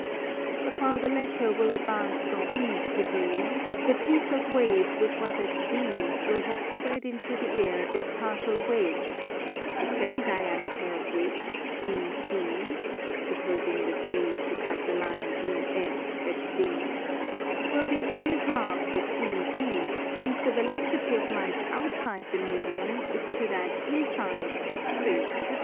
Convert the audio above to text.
But while the latter will advance from E to B, the piece of wave which was at D will have spread into the air its partial wave, the semi diameter of which, DC (supposing this wave to cut the line DF at C), will be 3/2 of EB, since the velocity of light outside the medium is to that inside as 3 to 2.